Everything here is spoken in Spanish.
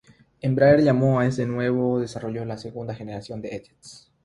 Embraer llamó a este nuevo desarrollo "la segunda generación de E-jets".